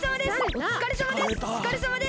おつかれさまです！